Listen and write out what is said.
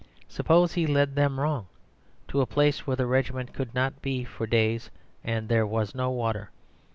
Suppose he led them wrong, to a place where the regiment could not be for days, and there was no water.